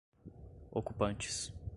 ocupantes